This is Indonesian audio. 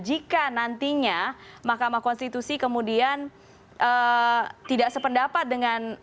jika nantinya mahkamah konstitusi kemudian tidak sependapat dengan